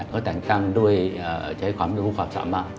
ก็แต่งตั้งด้วยใช้ความรู้ความสามารถ